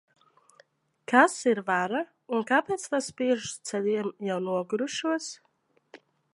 Kas ir vara, un kāpēc tā spiež uz ceļiem jau nogurušos?